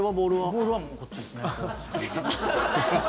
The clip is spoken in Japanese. ボールはもうこっちですね。